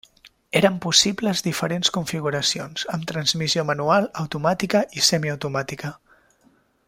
Eren possibles diferents configuracions, amb transmissió manual, automàtica i semiautomàtica.